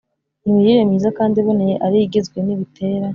imirire myiza kandi iboneye ari igizwe n’ibitera